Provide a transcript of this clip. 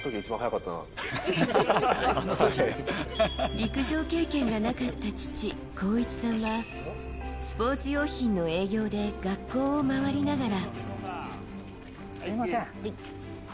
陸上経験がなかった父・浩一さんはスポーツ用品の営業で学校を回りながら。